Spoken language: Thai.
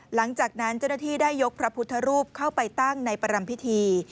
หลังจากนั้นเจ้าหน้าที่ได้ยกพระพุทธรูปเข้าไปตั้งในประรำพิธี